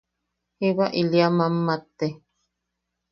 Jiba ili a mammate.